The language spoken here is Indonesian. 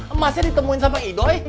emasnya ditemuin sama idoi